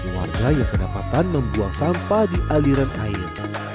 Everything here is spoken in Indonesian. warga yang kedapatan membuang sampah di aliran air